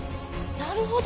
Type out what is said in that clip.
なるほど。